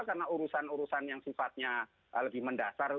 karena urusan urusan yang sifatnya lebih mendasar